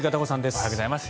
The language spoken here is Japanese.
おはようございます。